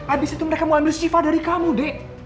abis itu mereka mau ambil sifat dari kamu dek